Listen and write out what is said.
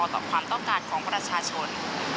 ต่อความต้องการของประชาชน